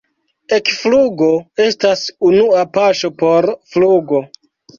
Ekflugo estas unua paŝo por flugo.